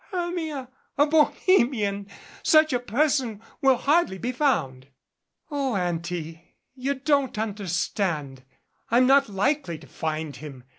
"Hermia! A Bohemian! Such a person will hardly be found " "0 Auntie, you don't understand. I'm not likely to find him.